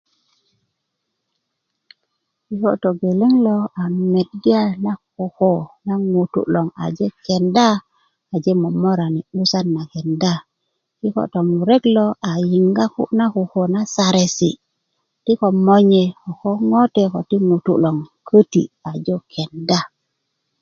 kiko' togeleŋ lo a meda na koko na ŋutu loŋ aje kenda aje momorani 'busan na kenda kikö tomurek lo a yinga na ko ko na saresi ti komonye ko koŋote ko ti ŋutu logongiti a köti ajo kenda